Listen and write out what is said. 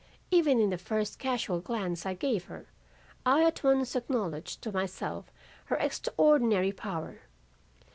Even in the first casual glance I gave her, I at once acknowledged to myself her extraordinary power.